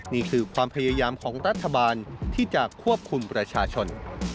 นี่คือความพยายามของรัฐบาลที่จะควบคุมประชาชน